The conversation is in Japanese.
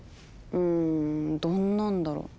んどんなんだろう？